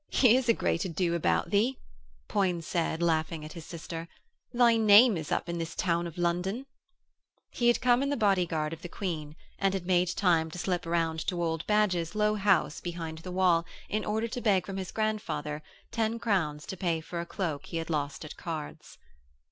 'Here's a great ado about thee,' Poins said, laughing at his sister. 'Thy name is up in this town of London.' He had come in the bodyguard of the Queen, and had made time to slip round to old Badge's low house behind the wall in order to beg from his grandfather ten crowns to pay for a cloak he had lost at cards.